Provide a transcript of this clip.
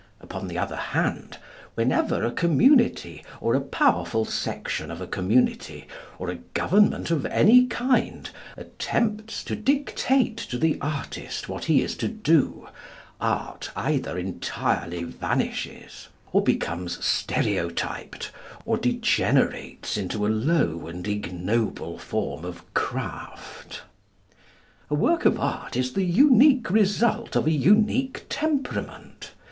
Upon the other hand, whenever a community or a powerful section of a community, or a government of any kind, attempts to dictate to the artist what he is to do, Art either entirely vanishes, or becomes stereotyped, or degenerates into a low and ignoble form of craft. A work of art is the unique result of a unique temperament.